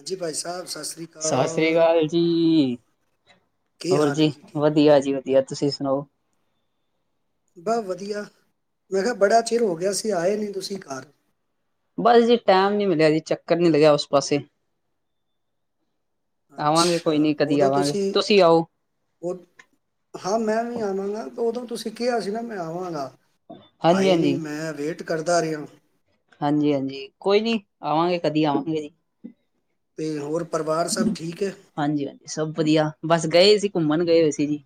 ਹਾਂਜੀ ਭਾਈ ਸਾਹਿਬ ਸਤਿ ਸ੍ਰੀ ਸਤਿ ਸ੍ਰੀ ਅਕਾਲ ਜੀ। ਕੀ ਹੋਰ ਹਾਲ ਹੈ ਜੀ। ਠੀਕ ਹੋ ਵਧੀਆ ਜੀ, ਵਧੀਆ। ਤੁਸੀਂ ਸੁਣਾੳ? ਬਹੁ ਵਧੀਆ। ਮੈਂ ਕਿਹਾ, ਬੜਾ ਚਿਰ ਹੋ ਗਿਆ ਸੀ, ਆਏ ਨਹੀਂ ਤੁਸੀਂ ਘਰ। ਬਸ ਜੀ, ਟਾਈਮ ਨੀ ਮਿਲਿਆ ਜੀ, ਚੱਕਰ ਨਹੀਂ ਲੱਗਿਆ ਉਸ ਪਾਸੇ। ਆਵਾਂਗੇ ਅੱਛਾ, ਕੋਈ ਨੀ ਕਦੀ ਉਦੋਂ ਆਵਾਂਗੇ ਤੁਸੀਂ, ਆਓ [unintelligible] ਹਾਂ ਮੈਂ ਵੀ ਆਵਾਂਗਾ, ਉਦੋਂ ਤੁਸੀਂ ਕਿਹਾ ਸੀ ਨਾ, ਮੈਂ ਆਵਾਂਗਾ। ਹਾਂਜੀ ਆਏ ਨਹੀਂ, ਮੈਂ ਵੇਟ ਕਰਦਾ ਰਿਹਾ। ਹਾਂਜੀ-ਹਾਂਜੀ। ਕੋਈ ਨੀ। ਆਵਾਂਗੇ, ਕਦੀ ਆਵਾਂਗੇ ਜੀ। ਤੇ ਹੋਰ? ਪਰਿਵਾਰ ਸਭ ਠੀਕ ਹੈ ਹਾਂਜੀ-ਹਾਂਜੀ। ਸਭ ਵਧੀਆ, ਬਸ ਗਏ ਸੀ। ਘੁੰਮਣ ਗਏ ਹੋਏ ਸੀ ਜੀ।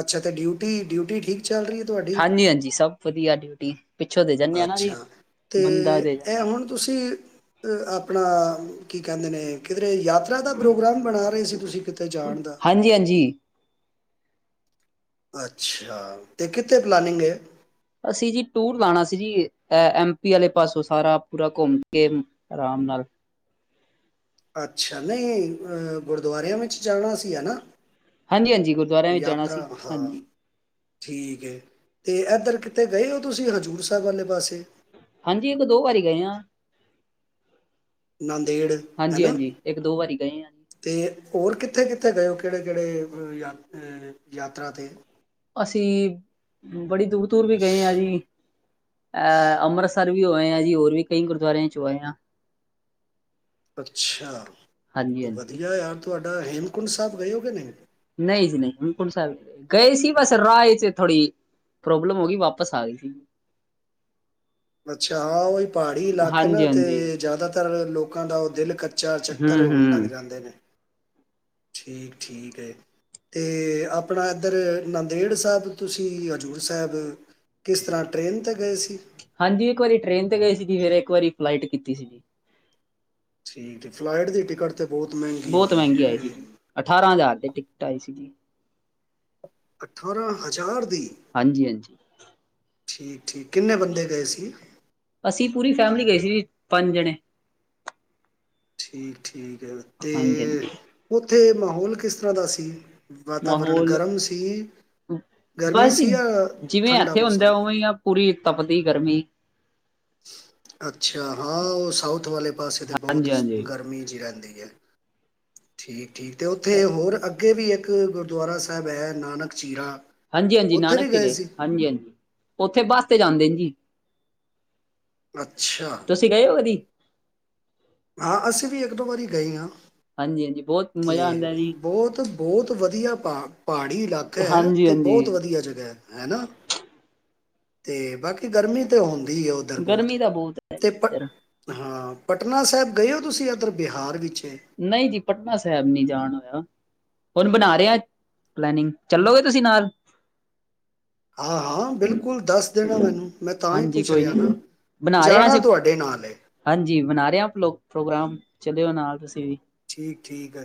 ਅੱਛਾ, ਤੇ ਡਿਊਟੀ, ਡਿਊਟੀ ਠੀਕ ਚੱਲ ਰਹੀ ਹੈ ਤੁਹਾਡੀ ਹਾਂਜੀ-ਹਾਂਜੀ। ਸਭ ਵਧੀਆ ਡਿਊਟੀ। ਪਿੱਛੋਂ ਦੇ ਜਾਣੇ ਹਾਂ ਨਾ ਜੀ, ਅੱਛਾ ਤੇ ਬੰਦਾ ਦੇ ਇਹ ਜਾਂਦੇ ਹਾਂ। ਹੁਣ ਤੁਸੀਂ ਅ, ਆਪਣਾ, ਕੀ ਕਹਿੰਦੇ ਨੇ ਕਿਦੇ ਏ ਯਾਤਰਾ ਦਾ ਪ੍ਰੋਗਰਾਮ ਬਣਾ ਰਹੇ ਸੀ, ਤੁਸੀਂ ਕਿਤੇ ਜਾਣ ਦਾ? ਹਾਂਜੀ ਹਾਂਜੀ ਅੱਛਾ। ਤੇ ਕਿੱਥੇ ਪਲਾਨਿੰਗ ਏ? ਅਸੀਂ ਜੀ ਟੂਰ ਲਾਉਣਾ ਸੀ ਜੀ। ਇਹ ਐਮ ਪੀ ਆਲੇ ਪਾਸੋਂ ਸਾਰਾ ਪੂਰਾ ਘੁੰਮ ਕੇ ਆਰਾਮ ਨਾਲ ਅੱਛਾ। ਨਹੀਂ, ਅਹ ਗੁਰਦੁਆਰਿਆਂ ਵਿੱਚ ਜਾਣਾ ਸੀ, ਹਨਾ? ਹਾਂਜੀ-ਹਾਂਜੀ, ਗੁਰਦੁਆਰਿਆਂ ਵਿੱਚ ਜਾਣਾ ਸੀ। ਹਾਂ ਹਾਂਜੀ। ਠੀਕ ਹੈ। ਏ ਇੱਧਰ ਕਿਤੇ ਗਏ ਹੋ, ਤੁਸੀਂ ਹਜ਼ੂਰ ਸਾਹਿਬ ਵਾਲੇ ਪਾਸੇ? ਹਾਂਜੀ। ਇੱਕ ਦੋ ਵਾਰੀ ਗਏ ਹਾਂ। ਨਨ ਹਾਂਜੀ-ਹਾਂਜੀ। ਇੱਕ-ਦੋ ਵਾਰੀ ਗਏ ਆਂ। ਕਿੱਥੇ-ਕਿੱਥੇ ਗਏ ਹੋ? ਕਿਹੜੇ-ਕਿਹੜੇ ਯਾ ਯਾਤਰਾ ਤੇ? ਅਸੀਂ ਬੜੀ ਦੂਰ-ਦੂਰ ਵੀ ਗਏ ਆਂ ਜੀ। ਅਹ, ਅੰਮ੍ਰਿਤਸਰ ਵੀ ਹੋ ਆਏਂ ਆ ਜੀ, ਹੋਰ ਵੀ ਕਈ ਗੁਰਦੁਆਰਿਆਂ ਚ ਹੋ ਆਏਂ ਆਂ। ਅੱਛਾ। ਹਾਂਜੀ ਹਾਂਜੀ ਵਧੀਆ ਯਾਰ ਤੁਹਾ ਆ ਹੇਮਕੁੰਟ ਸਾਹਿਬ ਗਏ ਕਦੀ। ਨਹੀਂ ਜੀ ਨਹੀਂ ਹੇਮਕੁੰਟ ਸਾਹਿਬ, ਗਏ ਸੀ ਬਸ ਰਾਹ ਚ ਥੋੜ੍ਹੀ ਪ੍ਰੋਬਲਮ ਹੋ ਗਈ, ਵਾਪਸ ਆ ਗਏ ਸੀ। ਅੱਛਾ ਹਾਂ ਉਹਹੀ ਪਹਾੜੀ ਇਲਾਕੇ ਨਾ ਹਾਂਜੀ ਹਾਂਜੀ ਤੇ ਜ਼ਿਆਦਾਤਰ ਲੋਕ ਲੋਕਾਂ ਦਾ ਉਹ ਦਿਲ ਦਸ ਹੂੰ ਚੱਕਰ ਹੋਣ ਲੱਗ ਹੂੰ ਜਾਂਦੇ ਨੇ ਠੀਕ ਠੀਕ ਹੈ ਅਤੇ ਆਪਣਾ ਇੱਧਰ ਨੰਦੇੜ ਸਾਹਿਬ ਤੁਸੀਂ ਹਜ਼ੂਰ ਸਾਹਿਬ ਕਿਸ ਤਰ੍ਹਾਂ ਟਰੇਨ 'ਤੇ ਗਏ ਸੀ ਹਾਂਜੀ ਇੱਕ ਵਾਰੀ ਟ੍ਰਰੇਨ ਤੇ ਗਏ ਸੀਗੀ ਫਿਰ ਇੱਕ ਵਾਰੀ ਫਲਾਈਟ ਕੀਤੀ ਸੀਗੀ ਠੀਕ ਫਲਾਈਟ ਦੀ ਟਿਕਟ ਤੇ ਬਹੁਤ ਮਹਿੰਗੀ ਬਹੁਤ ਹੋਣੀ ਮਹਿੰਗੀ ਆਈ ਹੈ ਸੀਗੀ ਅਠਾਰਾਂ ਹਜ਼ਾਰ ਦੇ ਟਿਕਟ ਆਈ ਸੀ ਜੀ ਅਠਾਰਾਂ ਹਜ਼ਾਰ ਦੀ ਹਾਂਜੀ ਹਾਂਜੀ ਠੀਕ ਠੀਕ ਕਿੰਨੇ ਬੰਦੇ ਗਏ ਸੀ ਅਸੀਂ ਪੂਰੀ ਫੈਮਲੀ ਗਏ ਸੀ ਜੀ ਪੰਜ ਜਣੇ ਠੀਕ-ਠੀਕ ਠੀਕ ਹੈ ਹਾਂਜੀ ਤੇ ਹਾਂਜੀ ਉੱਥੇ ਮਾਹੌਲ ਕਿਸ ਤਰ੍ਹਾਂ ਦਾ ਸੀ ਵਾਤਾਵਰਣ ਮਾਹੌਲ ਗਰਮ ਸੀ ਗਰਮੀ ਬਸ ਜੀ ਸੀ ਜਾਂ ਜਿਵੇਂ ਠੰਡਾ ਇੱਥੇ ਹੁੰਦਾ ਮੌਸਮ ਉਵੇਂ ਆ ਪੂਰੀ ਤਪਦੀ ਗਰਮੀ ਅੱਛਾ ਹਾਂ ਉਹ ਸਾਊਥ ਵਾਲੇ ਪਾਸੇ ਤੇ ਹਾਂਜੀ ਬਹੁਤ ਹਾਂਜੀ ਗਰਮੀ ਜਿ ਰਹਿੰਦੀ ਠੀਕ ਠੀਕ ਤੇ ਉੱਥੇ ਹੋਰ ਅੱ ਅੱਗੇ ਵੀ ਇੱਕ ਗੁਰਦੁਆਰਾ ਸਾਹਿਬ ਹੈ ਨਾਨਕ ਚੀਰਾ ਹਾਂਜੀ ਹਾਂਜੀ ਉੱਥੇ ਵੀ ਨਾਨਕ ਗਏ ਸਿਰੇ ਸੀ ਹਾਂਜੀ ਹਾਂਜੀ ਉੱਥੇ ਬੱਸ ਤੇ ਜਾਂਦੇ ਨੇ ਜੀ ਅੱਛਾ ਤੁਸੀਂ ਗਏ ਹੋ ਉਹਦੀ ਹਾਂ ਅਸੀਂ ਵੀ ਇੱਕ ਦੋ ਵਾਰੀ ਗਏ ਹਾਂ ਹਾਂਜੀ ਹਾਂਜੀ ਬਹੁਤ ਤੇ ਮਜ਼ਾ ਆਉਂਦਾ ਜੀ ਬਹੁਤ ਬਹੁਤ ਵਧੀਆ ਪਹਾੜੀ ਇਲਾਕਾ ਹੈ ਹਾਂਜੀ ਅਤੇ ਬਹੁਤ ਹਾਂਜੀ ਵਧੀਆ ਜਗ੍ਹਾ ਹੈ ਹੈ ਨਾ ਤੇ ਬਾਕੀ ਗਰਮੀ ਤੇ ਹਣਦੀ [inaudible] [inaudible] ਗਰਮੀ ਦਾ ਬਹੁਤ ਹੈ ਜੀ ਉੱਧਰ ਪਟਨਾ ਸਾਹਿਬ ਗਏ ਹੋ ਤੁਸੀਂ ਇੱਧਰ ਬਿਹਾਰ ਵਿੱਚ ਹੈ ਨਹੀਂ ਜੀ ਪਟਨਾ ਸਾਹਿਬ ਨੀ ਜਾਣ ਹੋਇਆ ਹੁਣ ਬਣਾ ਰਿਹਾ ਪਲੈਨਿੰਗ ਚੱਲੋਗੇ ਤੁਸੀਂ ਨਾਲ ਹਾਂ ਹਾਂ ਬਿਲਕੁਲ ਦੱਸ ਦੇਣਾ ਮੈਨੂੰ ਮੈਂ ਤਾਂ ਹੀ ਹਾਂਜੀ ਪੁੱਛ ਕੋਈ ਰਿਹਾ ਨੀ ਨਾ ਬਣਾ ਰਹੇ ਹਾਂ ਜਾਣਾ ਅਸੀਂ ਤੁਹਾਡੇ ਨਾਲ ਚੱਲਿਓ ਨਾਲ ਤੁਸੀਂ ਤੇ ਠੀਕ ਠੀਕ ਹੈ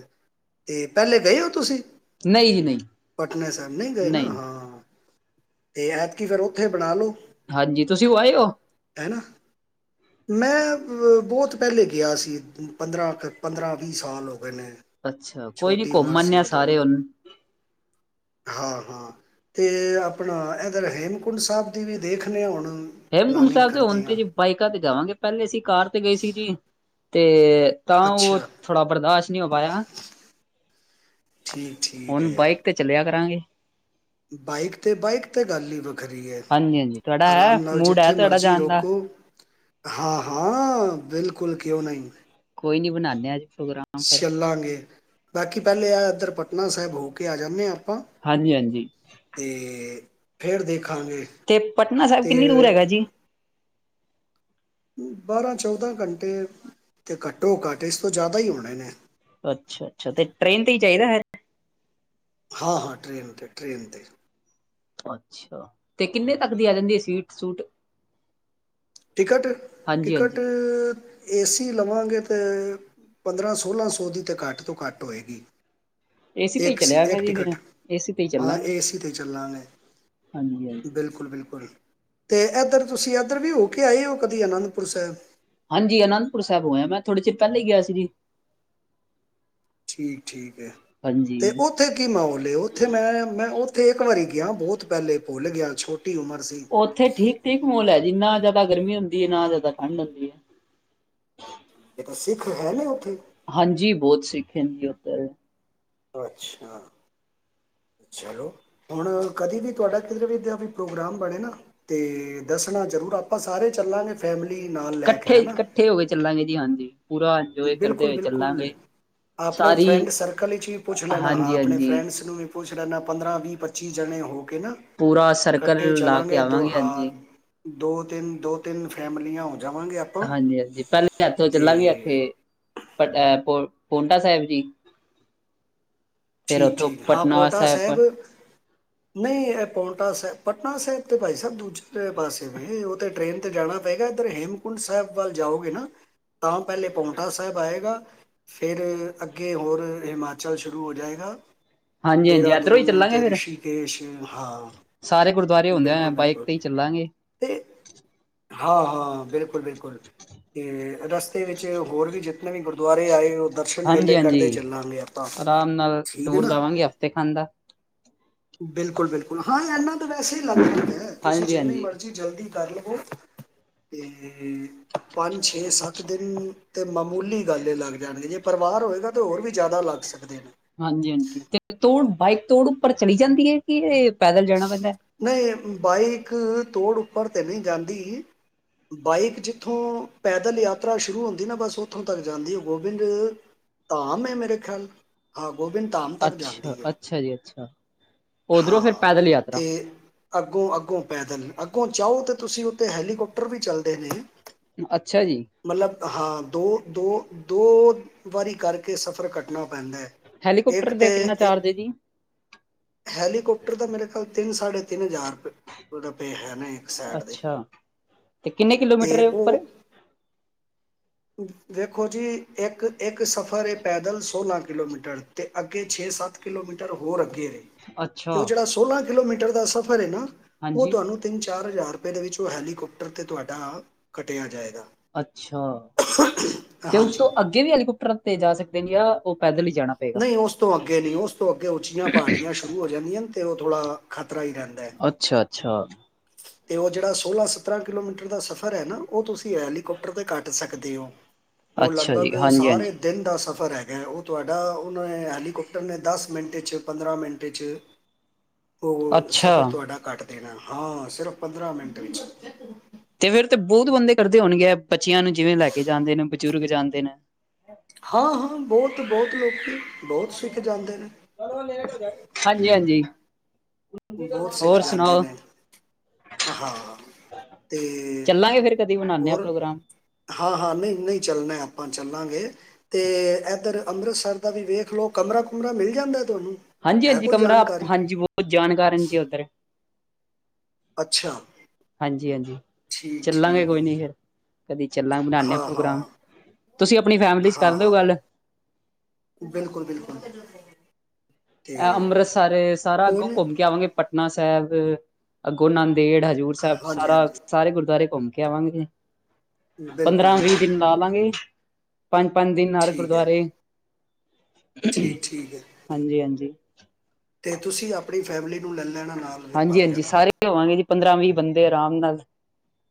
ਤੇ ਪਹਿਲੇ ਗਏ ਹੋ ਤੁਸੀਂ ਨਹੀਂ ਹੀ ਨਹੀਂ ਆਪਣੇ ਸਾਹਿਬ ਨਹੀਂ ਗਏ ਨਾ ਹਾਂ ਤੇ ਐਤਕੀ ਫੇਰ ਉੱਥੇ ਬਣਾ ਲੋ ਹਾਂਜੀ ਤੁਸੀਂ ਆਏ ਹੋ ਮੈਂ ਬਹੁਤ ਪਹਿਲੇ ਗਿਆ ਸੀ ਪੰਦਰਾਂ ਪੰਦਰਾਂ ਅ ਸਾਲ ਹੋ ਗਏ ਨੇ ਅੱਛਾ ਕੋਈ ਨੀ ਛੋਟੀ ਘੁੰਮ ਉਮਰ ਸੀ ਆਦੇ ਆ ਉਦੋਂ ਸਾਰੇ ਉਹਨੂੰ ਹਾਂ ਹਾਂ ਅਤੇ ਆਪਣਾ ਇੱਧਰ ਹੇਮਕੁੰਡ ਸਾਹਿਬ ਦੀ ਵੀ ਦੇਖਦੇ ਹਾਂ ਹੁਣ ਹੇਮਕੁੰਟ ਪਲਾਨਿੰਗ ਸਾਹਿਬ ਦੇ ਹੁਣ ਕਰਦੇ ਤੇ ਹਾਂ ਜੀ ਬਾਈਕਾਂ ਤੇ ਜਾਵਾਂਗੇ ਪਹਿਲੇ ਅਸੀਂ ਕਾਰ ਗਏ ਸੀ ਜੀ ਤੇ ਤਾਂ ਉਹ ਅੱਛਾ ਥੋੜ੍ਹਾ ਬਰਦਾਸ਼ਤ ਨਹੀਂ ਹੋ ਪਾਇਆ ਠੀਕ ਠੀਕ ਹੁਣ ਹੈ ਬਾਈਕ ਤੇ ਚੱਲਿਆ ਕਰਾਂਗੇ ਬਾਈਕ ਤੇ ਬਾਈਕ ਤੇ ਗੱਲ ਹੀ ਵ ਹਾਂਜੀ ਹਾਂਜੀ ਤੁਹਾਡਾ ਹੈ ਮੂਡ ਹੈ ਜਿੱਥੇ ਤੁਹਾਡਾ ਮਰਜ਼ੀ ਜਾਣ ਦਾ ਰੋਕੋ ਹਾਂ ਹਾਂ ਬਿਲਕੁਲ ਕਿਹਾ ਨਾ ਹੀ ਕੋਈ ਨੀ ਬਣਾਂਦੇ ਹ ਅੱਜ ਪ੍ਰੋਗਰਾਮ ਫਿਰ ਚੱਲਾਂਗੇ ਬਾਕੀ ਪਹਿਲੇ ਆ ਇੱਧਰ ਪਟਨਾ ਸਾਹਿਬ ਹੋ ਕੇ ਆ ਜਾਂਦੇ ਹ ਆਪਾਂ ਹਾਂਜੀ ਹਾਂਜੀ ਤੇ ਫੇਿਰ ਦੇਖ ਤੇ ਪਟਨਾ ਸਾਹਿਬ ਕਿੰਨੀ ਦੂਰ ਹੈਗਾ ਜੀ ਬਾਰਾਂ ਚੌਦਾਂ ਘੰਟੇ ਤੇ ਘੱਟੋ ਘੱਟ ਇਸ ਤੋਂ ਜ਼ਿਆਦਾ ਹੀ ਹੋਣੇ ਨੇ ਅੱਛਾ ਅੱਛਾ ਤੇ ਟ੍ਰਰੇਨ ਤੇ ਹੀ ਚਾਹੀਦਾ ਹੈ ਹਾਂ ਹਾਂ ਟ੍ਰੇਨ ਤੇ ਟ੍ਰੇਨ ਤੇ ਅੱਛਾ ਤੇ ਕਿੰਨੇ ਤੱਕ ਦੀ ਆ ਜਾਂਦੀ ਹੈ ਸਵੀਟ ਸੂਟ ਟਿਕਟ ਹਾਂਜੀ ਟਿਕਟ ਹਾਂਜੀ ਏਸੀ ਲਵਾਂਗੇ ਤਾਂ ਪੰਦਰਾਂ ਸੋਲਾਂ ਸੌ ਦੀ ਤਾਂ ਘੱਟ ਤੋਂ ਘੱਟ ਹੋਏਗੀ ਏਸੀ ਤੇ ਹੀ ਇੱਕ ਸੀ ਚਲਿਆਗਾ ਇੱਕ ਜੀ ਟਿਕਟ ਫਿਰ ਏਸੀ ਤੇ ਹੀ ਹਾਂ ਚੱਲਾਂਗੇ ਏ ਸੀ ਤੇ ਚੱਲਾਂਗੇ ਹਾਂਜੀ ਹਾਂਜੀ ਬਿਲਕੁਲ ਬਿਲਕੁਲ ਤੇ ਏਧਰ ਤੁਸੀਂ ਇੱਧਰ ਵੀ ਹੋ ਕੇ ਆਏ ਉਹ ਕਦੀ ਅਨੰਦਪੁਰ ਸਾਹਿਬ ਹਾਂਜੀ ਅਨੰਦਪੁਰ ਸਾਹਿਬ ਹੋਏਆ ਮੈਂ ਥੋੜ੍ਹੇ ਚਿਰ ਪਹਿਲ ਹੀ ਗਿਆ ਸੀ ਜੀ ਠੀਕ ਠੀਕ ਤੇ ਹਾਂਜੀ ਉੱਥੇ ਕੀ ਮਾਹੌਲ ਉੱਥੇ ਮੈਂ ਮੈਂ ਉੱਥੇ ਇੱਕ ਵਾਰੀ ਗਿਆ ਬਹੁਤ ਪਹਿਲੇ ਭੁੱਲ ਗਿਆ ਛੋਟ ਉੱਥੇ ਠੀਕ ਠੀਕ ਮਹੌਲ ਹੈ ਜਿੰਨਾ ਨਾ ਜ਼ਿਆਦਾ ਗਰਮੀ ਹੁੰਦੀ ਹੈ ਨਾ ਜ਼ਿਆਦਾ ਠੰਡ ਹੁੰਦੀ ਹੈ ਇਹ ਤਾਂ ਸਿੱਖ ਹੈ ਨੇ ਉੱਥੇ ਹਾਂਜੀ ਬਹੁਤ ਸਿੱਖ ਹਨ ਉੱਧਰ ਅੱਛਾ ਚਲੋ ਹੁਣ ਕਦੇ ਵੀ ਤੁਹਾਡਾ ਕਿਧਰ ਵੀ ਵੀ ਪ੍ਰੋਗਰਾਮ ਬਣੇ ਨਾ ਤੇ ਦੱਸਣਾ ਜ਼ਰੂਰ ਆਪਾਂ ਸਾਰੇ ਚੱਲਾਂਗੇ ਫੈਮਿਲੀ ਨਾਲ ਲੈ ਕੇ ਇਕੱਠੇ ਹਨਾ ਇਕੱਠੇ ਹੋ ਕੇ ਚੱਲਾਂਗੇ ਜੀ ਹਾਂਜੀ ਪੂਰਾ ਇੰਜੋਏ ਕਰਦੇ ਬਿਲਕੁਲ ਹੋਏ ਬਿਲਕੁਲ ਚੱਲਾਂਗੇ ਆਪਣੇ ਫਰੈਂਡ ਸਾਰੀ ਸਰਕਲ ਵਿੱਚ ਵੀ ਪੁੱਛ ਲੈਣਾ ਹਾਂ ਹਾਂਜੀ ਆਪਣੇ ਹਾਂਜੀ ਫਰੈਂਡਸ ਨੂੰ ਵੀ ਪੁਛ‌ੱ ਲੇਨਾ ਪੰਦਰਾਂ ਵੀਹ ਪੱਚੀ ਜਣੇ ਹੋ ਕੇ ਨਾ ਪੂਰਾ ਸਰਕਲ ਇਕੱਠੇ ਲਾ ਕੇ ਚੱਲਾਂਗੇ ਦੋ ਆਵਾਂਗੇ ਹਾਂ ਹਾਂਜੀ ਦੋ ਤਿੰਨ ਦੋ ਤਿੰਨ ਫੈਮਿਲੀਆਂ ਹੋਦੀਆਂ ਹਾਂਜੀ ਹਾਂਜੀ ਪਹਿਲੇ ਇੱਥੋਂ ਚੱਲਾਂਗੇ ਇੱਥੇ ਤੇ ਪੱਤਾ ਹੈ ਪਾਉਂਟਾ ਸਾਹਿਬ ਜੀ ਫਿਰ ਠੀਕ ਉੱਥੋਂ ਠੀਕ ਹਾਂ ਪਟਨਾ ਪਾਉਂਟਾ ਸਾਹਿਬ ਨਹੀਂ ਪਾਉਂਟਾ ਸਾਹਿਬ ਪਟਨਾ ਸਾਹਿਬ ਤੇ ਭਾਈ ਸਾਹਿਬ ਦੂਜੇ ਪਾਸੇ ਵੀ ਉਹ ਤਾਂ ਟ੍ਰਰੇਨ 'ਤੇ ਜਾਣਾ ਪਏਗਾ ਇੱਧਰ ਹੇਮਕੁੰਡ ਸਾਹਿਬ ਵੱਲ ਜਾਓਗੇ ਨਾ ਤਾਂ ਪਹਿਲੇ ਪਾਉਂਟਾ ਸਾਹਿਬ ਆਏਗਾ ਫਿਰ ਅੱਗੇ ਹੋਰ ਹਿਮਾਚਲ ਸ਼ੁਰੂ ਹੋ ਜਾਏਗਾ ਹੈ ਹਾਂਜੀ ਹਾਂਜੀ ਇੱਧਰੋਂ ਹੀ ਦੇਹਰਾਦੂਨ ਚੱਲਾਂਗੇ ਤੇ ਫਿਰ ਰਿਸ਼ੀਕੇਸ਼ ਹਾਂ ਸਾਰੇ ਗੁਰਦੁਆਰੇ ਹੁੰਦੇ ਆ ਬਿਲਕੁਲ ਬਾਈਕ ਬਿਲਕੁਲ ਤੇ ਹੀ ਚੱਲਾਂਗੇ ਤੇ ਹਾਂ ਹਾਂ ਬਿਲਕੁਲ ਬਿਲਕੁਲ ਤੇ ਰਸਤੇ ਵਿੱਚ ਹੋਰ ਵੀ ਜਿੱਤਨੇ ਵੀ ਗੁਰਦੁੱਆਰੇ ਆਏ ਦਰਸ਼ਨ ਮੇਲੇ ਹਾਂਜੀ ਹਾਂਜੀ ਕਰਦੇ ਚੱਲਾਂਗੇ ਆਪਾਂ ਆਰਾਮ ਨਾਲ ਹੈ ਟੂਰ ਨਾ ਲਵਾਂਗੇ ਹਫ਼ਤੇ ਖਾਨ ਦਾ ਬਿਲਕੁਲ ਬਿਲਕੁਲ ਹਾਂ ਇਨਾ ਤਾਂ ਵੈਸੇ ਹੀ ਲੱਗਦਾ ਹੈਂ ਤੁਸੀਂ ਹਾਂਜੀ ਜਿੰਨੀ ਹਾਂਜੀ ਮਰਜ਼ੀ ਜਲਦੀ ਕਰ ਲਵੋ ਤੇ ਪੰਜ ਛੇ ਸੱਤ ਦਿਨ ਤੇ ਮਾਮੂਲੀ ਗੱਲ ਇਹ ਲੱਗ ਜਾਣਗੇ ਜੇ ਪਰਿਵਾਰ ਹੋਏਗਾ ਤਾਂ ਹੋਰ ਵੀ ਜ਼ਿਆਦਾ ਲੱਗ ਸਕਦੇ ਨੇ ਹਾਂ ਹਾਂ ਤੇ ਤੋੜ ਬਾਈਕ ਤੋੜ ਉੱਪਰ ਚਲੀ ਜਾਂਦੀ ਹੈ ਕਿ ਇਹ ਪੈੱਦਲ ਜਾਣਾ ਪੈਂਦਾ ਨਹੀਂ ਬਾਈਕ ਤੋੜ ਉੱਪਰ ਤੇ ਨਹੀਂ ਜਾਂਦੀ ਬਾਈਕ ਜਿੱਥੋਂ ਪੈਦਲ ਯਾਤਰਾ ਸ਼ੁਰੂ ਹੁੰਦੀ ਨਾ ਬਸ ਉੱਥੋਂ ਤੱਕ ਜਾਂਦੀ ਹੈ ਗੋਬਿੰਦ ਧਾਮ ਹੈ ਮੇਰੇ ਖਿਆਲ ਹਾਂ ਗੋਬਿੰਦ ਧਾਮ ਤੱਕ ਅੱਛਾ ਜਾਂਦੀ ਹੈ ਅੱਛਾ ਜੀ ਅੱਛਾ ਉਧਰੋਂ ਫਿਰ ਹਾਂ ਪੈਦਲ ਯਾਤਰਾ ਤੇ ਅੱਗੋਂ ਅੱਗੋਂ ਪੈਦਲ ਅੱਗੋਂ ਜਾਓ ਤਾਂ ਤੁਸੀਂ ਉੱਥੇ ਹੈਲੀਕੋਪਟਰ ਵੀ ਚੱਲਦੇ ਨੇ ਅੱਛਾ ਜੀ ਮਤਲਬ ਹਾਂ ਦੋ ਦੋ ਦੋ ਵਾਰੀ ਕਰਕੇ ਸਫ਼ਰ ਕੱਟਣਾ ਪੈਂਦਾ ਹੈ ਇੱਕ ਹੈਲੀਕਾੱਪਟਰ ਦਾ ਕਿੰਨਾ ਚਾਰਜ ਹੈ ਜੀ ਹੈਲੀਕਾੱਪਟਰ ਦਾ ਮੇਰੇ ਖਲ ਤੇ ਤਿੰਨ ਸਾਢੇ ਤਿੰਨ ਹਜ਼ਾਰ ਰੁ ਰੁ‌‌ਪਏ ਏ ਹੈ ਨਾ ਇੱਕ ਸਾਈਡ ਦੇ ਅੱਛਾ ਤੇ ਕਿੰਨੇ ਕਿਲੋਮੀਟਰ ਤੇ ਹੈ ਉੱਪਰ ਵੇਖੋ ਜੀ ਇੱਕ-ਇੱਕ ਸਫ਼ਰ ਇਹ ਪੈਦਲ ਸੋਲਾਂ ਕਿਲੋਮੀਟਰ ਅਤੇ ਅੱਗੇ ਛੇ ਸੱਤ ਕਿਲੋਮੀਟਰ ਹੋਰ ਅੱਗੇ ਵੈ ਅੱਛਾ ਕਿਲੋਮੀਟਰ ਦਾ ਸਫ਼ਰ ਹੈ ਨਾ ਉਹ ਹਾਂਜੀ ਤੁਹਾਨੂੰ ਤਿੰਨ ਚ ਚਾਰ ਹਜ਼ਾਰ ਰੁਪਏ ਦੇ ਵਿੱਚ ਉਹ ਹੈਲੀਕੋਪਟਰ ਤੇ ਤੁਹਾਡਾ ਕਟਿਆ ਜਾਏ ਅੱਛਾ ਤੇ ਉਸ ਹਾਂਜੀ ਤੋਂ ਅੱਗੇ ਵੀ ਹੈਲੀਕੋਪਟਰ ਤੇ ਜਾ ਸਕਦੇ ਨੇ ਆ ਉਹ ਪੈਦਲ ਹੀ ਜਾਣਾ ਪਏਗਾ ਨਹੀਂ ਉਸ ਤੋਂ ਅੱਗੇ ਨਹੀਂ ਉਸ ਤੋਂ ਅੱਗੇ ਉੱਚੀਆਂ ਪਹਾੜੀਆਂ ਸ਼ੁਰੂ ਹੋ ਜਾਂਦੀਆਂਨ ਉਹ ਥੋੜਾ ਪਰਾ ਹੀ ਰਹਿੰਦਾ ਹੈ [unintelligible] ਤੇ ਉਹ ਜਿਹੜਾ ਸੋਲਾਂ ਸਤਰਾਂ ਕਿਲੋਮੀਟਰ ਦਾ ਸਫ਼ਰ ਹੈ ਨਾ ਉਹ ਤੁਸੀਂ ਹੈਲੀਕੋਪਟਰ ਤੇ ਕੱਟ ਸਕਦੇ ਹੋ ਉਹ ਅੱਛਾ ਲਗਭਗ ਜੀ ਹਾਂਜੀ ਸਾਰੇ ਹਾਂਜੀ ਦਿਨ ਦਾ ਸਫ਼ਰ ਸਫ਼ਰ ਹੈਗਾ ਉਹ ਤੁਹਾਡਾ ਉਹਨਾਂ ਹੈਲੀਕਾੌਪਟਰ ਨੇ ਦਸ ਮਿੰਟ 'ਚ ਪੰਦਰਾਂ ਮਿੰਟ 'ਚ ਉਹ ਸਫ਼ਰ ਅੱਛਾ ਤੁਹਾਡਾ ਘੱਟ ਦੇਣਾ ਹਾਂ ਸਿਰਫ਼ ਪੰਦਰਾਂ ਮਿੰਟ ਵਿੱਚ ਤੇ ਫੇਿਰ ਤੇ ਬਹੁਤ ਬੰਦੇ ਕਰਦੇ ਹੋਣ ਗੇ ਬੱਚਿਆਂ ਨੂੰ ਜਿਵੇਂ ਲੈ ਕੇ ਜਾਂਦੇ ਨੇ ਬਜ਼ੁਰਗ ਜਾਂਦੇ ਨੇ ਹਾਂ-ਹਾਂ ਬਹੁਤ ਬਹੁਤ ਲੋਕਿ ਬਹੁਤ ਸਿੱਖ ਜਾਂਦੇ ਨੇ ਹਾਂਜੀ-ਹਾਂਜੀ ਬਹੁਤ ਸਿੱਖ ਜਾਂਦੇ ਨੇ ਹਾਂ ਤੇ ਚੱਲਾਂਗੇ ਫੇਰ ਕਦੀ ਬਣਾਨੇ ਆ ਹੋਰ ਪ੍ਰੋਗਰਾਮ। ਹਾਂ-ਹਾਂ ਨਹੀਂ-ਨਹੀਂ ਚੱਲਣਾ ਆਪਾਂ ਚੱਲਾਂਗੇ ਤੇ ਇੱਧਰ ਅੰਮ੍ਰਿਤਸਰ ਦਾ ਵੀ ਵੇਖ ਲੋ ਕਮਰਾ ਕੁਮਾਰਾ ਮਿਲ ਜਾਂਦਾ ਤੁਹਾਨੂੰ ਹੈ ਹਾਂਜੀ-ਹਾਂਜੀ ਕੋਈ ਕਮਰਾ ਜਾਣਕਾਰੀ ਹਾਂਜੀ ਬਹੁਤ ਜਾਣਕਾਰ ਹੈ ਜੀ [inaudible] ਅੱਛਾ ਹਾਂਜੀ-ਹਾਂਜੀ ਠੀਕ ਚੱਲਾਂਗੇ ਠੀਕ ਹੈ ਕੋਈ ਨੀ ਫੇਰ ਕਦੇ ਚੱਲਾਂਗੇ ਬਨਾਦੇ ਆ ਹਾਂ ਪ੍ਰੋਗਰਾਮ ਹਾਂ ਤੁਸੀਂ ਆਪਣੀ ਫੈਮਿਲੀ ਚ ਹਾਂ ਕਰਦੇਓ ਹਾਂ ਗੱਲ ਬਿਲਕੁਲ ਬਿਲਕੁਲ ਤੇ ਅੰਮ੍ਰਿਤਸਰ ਸਾਰਾ ਅੱਗੋਂ ਕੌਣ ਕੌਮ ਕੇ ਆਵਾਂਗੇ ਪਟਨਾ ਸਾਬ ਸਾਹਿਬ ਅੱਗੋ ਨਾਨਕ ਜੇਹੜਾ ਹਜ਼ੂਰ ਸਾਹਿਬ ਹਾਂਜੀ ਸਾਰਾ ਹਾਂਜੀ ਸਾਰੇ ਗੁਰਦੁਆਰੇ ਘੁੰਮ ਕਵਾਂਗੇ ਬਿਲਕੁਲ ਪੰਦਰਾਂ ਵੀ ਵੀਹ ਬਿਲਕੁਲ ਦਿਨ ਲਾ ਲਾਂਗੇ ਪੰਜ ਪੰ ਦਿ ਨਾਲ ਠੀਕ ਹੈ ਗੁਰਦੁਆਰੇ ਠੀਕ ਠੀਕ ਹੈ ਹਾਂਜੀ ਹਾਂਜੀ [inaudible] ਤੇ ਤੁਸੀਂ ਆਪਣੀ ਫੈਮਿਲੀ ਨੂੰ ਲੈ ਲੈਣਾ ਨਾਲ ਫਿਰ ਹਾਂਜੀ ਭਾਵੇਂ ਹਾਂਜੀ ਹਨਾ ਸਾਰੇ ਹੋਵਾਂਗੇ ਜੀ ਪੰਦਰਾਂ ਵੀਹ ਬੰਦੇ ਆਰਾਮ ਨਾਲ [inaudible]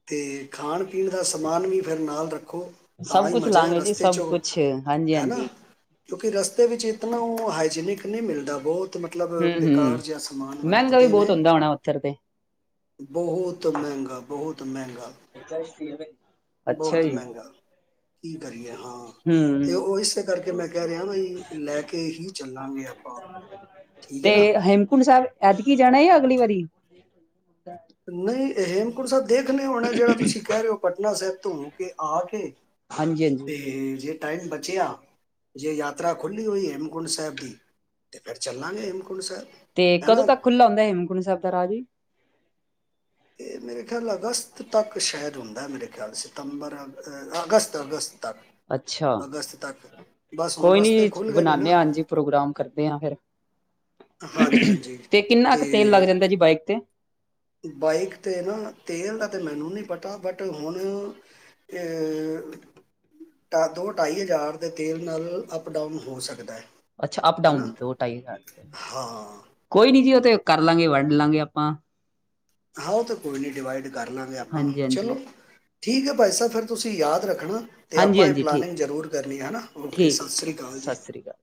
ਤੇ ਖਾਣ ਪੀਣ ਦਾ ਸਮਾਨ ਵੀ ਫਿਰ ਨਾਲ ਰੱਖੋ ਤਾਂ ਸਭ ਹੀ ਕੁਛ ਮਜ਼ਾ ਹੈ ਲਾਂਗੇ ਜੀ ਰਸਤੇ 'ਚ ਸਭ ਕੁਛ ਹੈ ਨਾ ਹਾਂਜੀ-ਹਾਂਜੀ ਕਿਉਂਕਿ ਰਸਤੇ ਵਿੱਚ ਇਤਨਾ ਉਹ ਹਾਈਜੀਨਿਕ ਨਹੀਂ ਮਿਲਦਾ ਬਹੁਤ ਮਤਲਬ ਬੇਕਾਰ ਹੂੰ-ਹੂੰ ਜਹਾ ਸਮਾਨ ਮਹਿੰਗਾ ਵੀ ਵਰਤਦੇ ਬਹੁਤ ਨੇ ਹੁੰਦਾ ਹੋਣਾ ਉੱਥਰ ਤੇ ਬਹੁਤ ਮਹਿੰਗਾ ਬਹੁਤ ਮਹਿੰਗਾ ਅੱਛਾ ਬਹੁਤ ਜੀ ਮਹਿੰਗਾ ਕੀ ਕਰੀਏ ਹਾਂ ਤੇ ਹੂੰ ਉਹ ਇਸ ਕਰਕੇ ਮੈਂ ਕਹਿ ਰਿਹਾ ਬਾਈ ਲੈ ਕੇ ਹੀ ਚੱਲਾਂਗੇ ਆਪਾਂ ਠੀਕ ਤੇ ਹੈ ਨਾ ਹੇਮਕੁੰਟ ਸਾਹਿਬ ਐਤਕੀ ਜਾਣਾ ਜਾਂ ਅਗਲੀ ਵਾਰੀ ਨਹੀਂ ਇਹ ਕੁੜ ਦੇਖਣੇ ਹੋਣਾ ਜਿਹੜਾ ਤੁਸੀਂ ਕਹਿ ਰਹੇ ਹੋੱ ਉਹਨਾਂ ਸਾਹਿਬ ਤੋਂ ਕੇ ਆ ਕੇ ਹਾਂਜੀ-ਹਾਂਜੀ ਤੇ ਜੇ ਟਾਈਮ ਬਚਿਆ ਜੇ ਯਾਤਰਾ ਖੁੱਲ੍ਹੀ ਹੋਈ ਹੇਮਕੁੰਟ ਸਾਹਿਬ ਦੀ ਤਾਂ ਫਿਰ ਚੱਲਾਂਗੇ ਹੇਮਕੁੰਟ ਸਾਹਿਬ ਤੇ ਕਦੋਂ ਹੈਨਾ ਤੱਕ ਖੁੱਲ੍ਹਲਾ ਹੁੰਦਾ ਹੇਮੰਕੁੰੂ ਸਾਹਿਬ ਦਾ ਰਾਜ ਜੀ ਇਹ ਮੇਰੇ ਖਿਆਲ ਅਗਸਤ ਤੱਕ ਸ਼ਹਿਦ ਹੁੰਦਾ ਮੇਰੇ ਸਤੰਬਰ ਅਗ ਅਗਸਤ ਅਗਸਤ ਤੱਕ ਅੱਛਾ ਅਗਸਤ ਤੱਕ ਬਸ ਹੁਣ ਕੋਈ ਰਸਤੇ ਨੀ ਖੁੱਲ ਗਏ ਨੇ ਨਾ ਬਣਾਦੇ ਹ ਹਾਂਜੀ ਪ੍ਰੋਗਰਾਮ ਕਰਦੇ ਹ ਫਿਰ ਹਾਂਜੀ ਹਾਂਜੀ ਤੇ ਕਿੰਨਾ ਕੁ ਤੇਲ ਲੱਗ ਤੇ ਜਾਂਦਾ ਜੀ ਬਾਈਕ ਤੇ ਬਾਈਕ 'ਤੇ ਨਾ ਤੇਲ ਦਾ ਤਾਂ ਮੈਨੂੰ ਨਹੀਂ ਪਤਾ ਬਟ ਹੁਣ ਦੋ ਢਾਈ ਹਜ਼ਾਰ ਦੇ ਤੇਲ ਨਾਲ ਅਪ ਡਾਊਨ ਹੋ ਸਕਦਾ ਹੈ ਅੱਛਾ ਅਪ ਡਾਨ ਹੈਨਾ ਦੋਾਈ ਹਾਂ ਕੋਈ ਨੀ ਜੀ ਉਹ ਤੇ ਕਰ ਲਾਂਗੇ ਵੱਢ ਲਾਂਗੇ ਆਪਾਂ ਆਹੋ ਤਾਂ ਕੋਈ ਨਹੀਂ ਡਿਵਾਈਡ ਕਰ ਲਾਂਗੇ ਆਪਾਂ ਹਾਂਜੀ-ਹਾਂਜੀ, ਚਲੋ ਠੀਕ ਹੈ ਭਅਾਈ ਸਾਹਿਬ ਫਿਰ ਤੁਸੀਂ ਯਾਦ ਰੱਖਣਾ ਤੇ ਆਪਾਂ ਇਹ ਹਾਂਜੀ-ਹਾਂਜੀ ਠੀਕ ਪਲਾਨਿੰਗ ਜ਼ਰੂਰ ਕਰਨੀ ਹੈ ਓਕੇ ਠੀਕ ਹੈ ਸਤਿ ਜੀ, ਸ੍ਰੀ ਅਕਾਲ ਜੀ ਸਤਿ ਸ੍ਰੀ ਅਕਾਲ